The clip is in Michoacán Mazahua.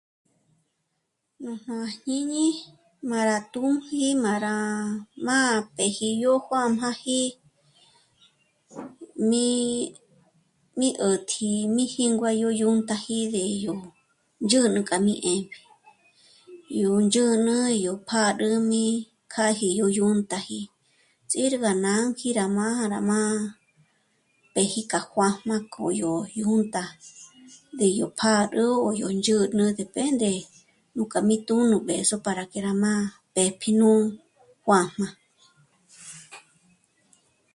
Nújnù à jñíni má rá tjûnji má rá mâ'a pë́ji yó juā́jmāji mí... 'ä̀tji mí jíngua yó yö́ntaji yó ndzhǘnü k'a mí 'éjme. Yó ndzhǘnü yó pjâdül mí kjâji yó yö́táji ts'írga nánji yá mája nà má'a péji k'a juā́jmā yó yō̌ntja, ndéyó pjâdül o yó ndzhǘnü depende nújkà mí tjū́'ū nú b'ë̌zo para que rá mâ'a të́jpji nú juā́jmā